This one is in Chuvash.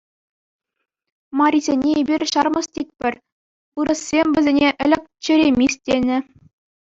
Марисене эпир ҫармӑс тетпӗр, вырӑссем вӗсене ӗлӗк черемис тенӗ.